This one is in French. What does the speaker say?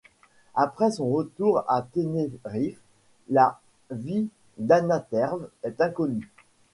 Après son retour à Tenerife, la vie d'Añaterve est inconnue.